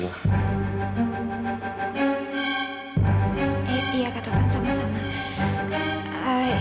iya kak taufan sama sama